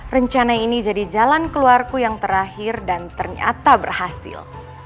rencana ini jadi jalan keluarku yang terakhir dan ternyata berhasil